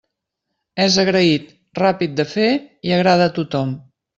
És agraït, ràpid de fer i agrada a tothom.